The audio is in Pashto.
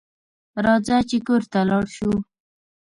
راځه چې کور ته لاړ شو